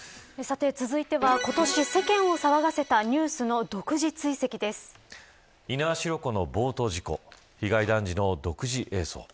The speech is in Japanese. さて続いては今年、世間を騒がせた猪苗代湖のボート事故被害男児の独自映像。